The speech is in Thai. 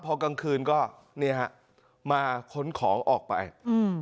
พอกลางคืนก็เนี่ยฮะมาค้นของออกไปอืม